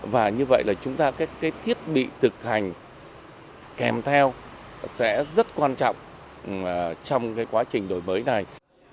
và như vậy là chúng ta các thiết bị thực hành kèm theo sẽ rất quan trọng trong cái quá trình đổi mới này